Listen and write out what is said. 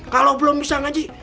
kalau belum bisa ngaji